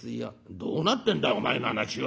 「どうなってんだお前の話は」。